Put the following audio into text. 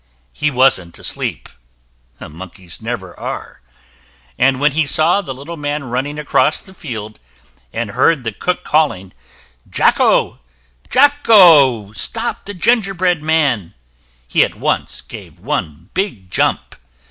He wasn't asleep monkeys never are and when he saw the little man running across the field and heard the cook calling, "Jocko, Jocko, stop the gingerbread man," he at once gave one big jump.